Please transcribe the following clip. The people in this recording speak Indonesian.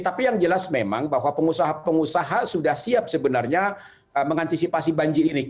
tapi yang jelas memang bahwa pengusaha pengusaha sudah siap sebenarnya mengantisipasi banjir ini